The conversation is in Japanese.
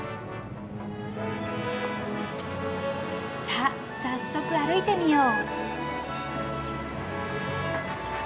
さあ早速歩いてみよう。